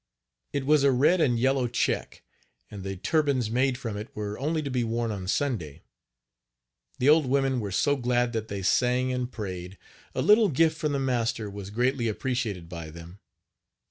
It was a red and yellow check, and the turbans made from it were only to be worn on Sunday. The old women were so glad that they sang and prayed. A little gift from the master was greatly appreciated by them.